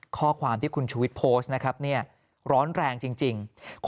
ข้อความที่ขุนชูวิดโพสต์เนี่ยร้อนแรงจริง